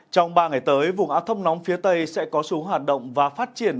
trong ba ngày tới vùng áp thông nóng phía tây sẽ có số hoạt động và phát triển